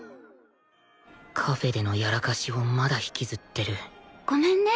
カフェでのやらかしをまだ引きずってるごめんね。